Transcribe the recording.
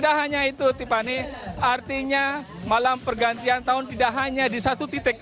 nah itu tipani artinya malam pergantian tahun tidak hanya di satu titik